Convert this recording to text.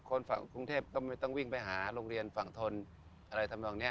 คนฝั่งกรุงเทพก็ไม่ต้องวิ่งไปหาโรงเรียนฝั่งทนอะไรทำนองนี้